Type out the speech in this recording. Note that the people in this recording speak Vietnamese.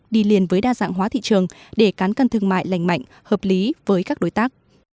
đi liền với đa dạng hóa thị trường để cán cân thương mại lành mạnh hợp lý với các đối tác